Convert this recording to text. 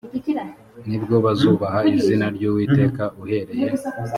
ni bwo bazubaha izina ry uwiteka uhereye